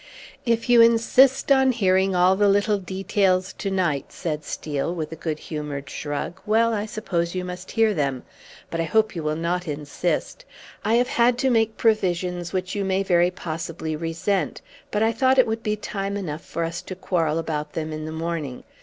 "If you insist upon hearing all the little details to night," said Steele, with a good humored shrug, "well, I suppose you must hear them; but I hope you will not insist. I have had to make provisions which you may very possibly resent, but I thought it would be time enough for us to quarrel about them in the morning.